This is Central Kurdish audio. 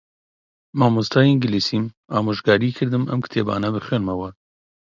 مامۆستای ئینگلیزیم ئامۆژگاریی کردم ئەم کتێبانە بخوێنمەوە.